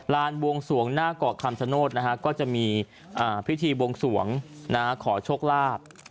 บวงสวงหน้าเกาะคำชโนธก็จะมีพิธีบวงสวงขอโชคลาภ